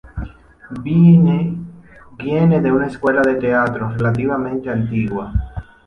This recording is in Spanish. Viene de una escuela de teatro relativamente antigua.